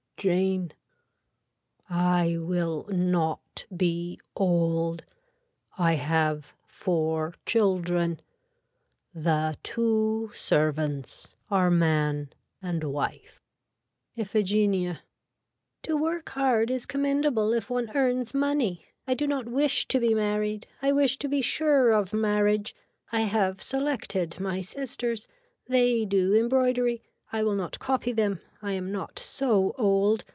(Jane.) I will not be old. I have four children. The two servants are man and wife. (Iphegenia.) To work hard is commendable if one earns money. I do not wish to be married. I wish to be sure of marriage. I have selected my sisters. They do embroidery. I will not copy them. I am not so old.